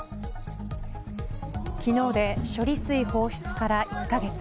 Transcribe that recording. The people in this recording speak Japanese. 昨日で処理水放出から１カ月。